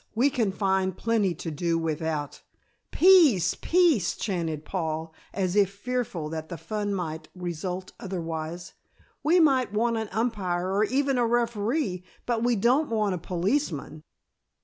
We can find plenty to do without " "Peace! Peace!" chanted Paul, as if fearful that the fun might result otherwise. "We might want an umpire or even a referee, but we don't want a policeman."